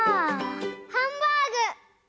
ハンバーグ！